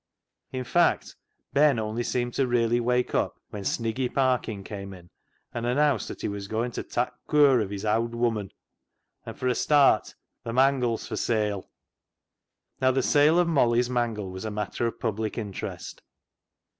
In fact, Ben only seemed to really wake up when Sniggy Parkin came in and announced that he was going to " tak' cur " (care) of his " owd woman," and, for a start, " Th' mangle's for sale I " Now the sale of Molly's mangle was a matter of public interest.